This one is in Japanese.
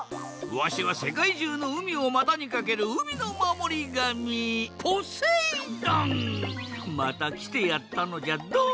わしはせかいじゅうのうみをまたにかけるうみのまもりがみまたきてやったのじゃドン！